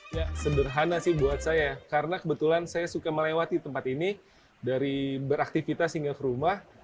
ya sederhana sih buat saya karena kebetulan saya suka melewati tempat ini dari beraktivitas hingga ke rumah